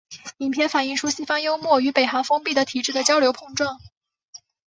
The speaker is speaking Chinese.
影片反映出西方幽默与北韩封闭的体制的交流碰撞。